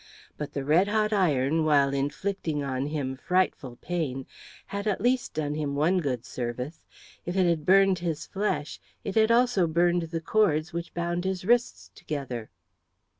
But the red hot iron, while inflicting on him frightful pain, had at least done him one good service; if it had burned his flesh, it had also burned the cords which bound his wrists together.